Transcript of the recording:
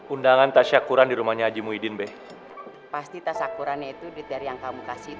undangan tas syakuran di rumahnya aji muhyiddin be pasti tas akurannya itu dari yang kamu kasih